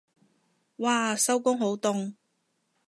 嘩收工好凍